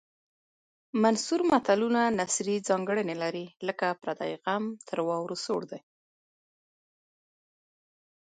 منثور متلونه نثري ځانګړنې لري لکه پردی غم تر واورو سوړ دی